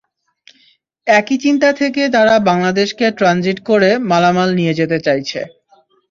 একই চিন্তা থেকে তারা বাংলাদেশকে ট্রানজিট করে মালামাল নিয়ে যেতে চাইছে।